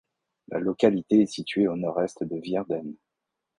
La localité est située au nord-est de Virden.